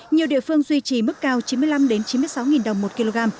nhiều địa phương duy trì mức cao chín mươi năm chín mươi sáu đồng một kg